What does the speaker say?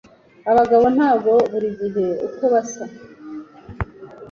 Abagabo ntabwo buri gihe uko basa.